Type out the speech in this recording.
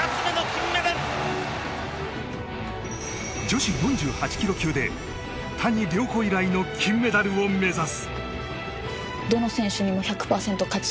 女子４８ｋｇ級で谷亮子以来の金メダルを目指す。